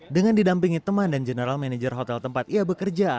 dengan didampingi teman dan general manager hotel tempat ia bekerja